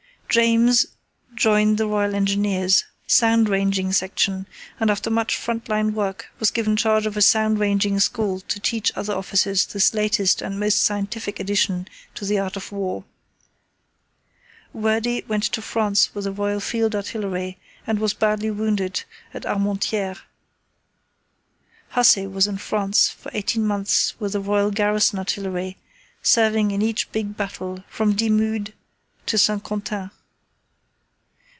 James joined the Royal Engineers, Sound Ranging Section, and after much front line work was given charge of a Sound Ranging School to teach other officers this latest and most scientific addition to the art of war. Wordie went to France with the Royal Field Artillery and was badly wounded at Armentières. Hussey was in France for eighteen months with the Royal Garrison Artillery, serving in every big battle from Dixmude to Saint Quentin.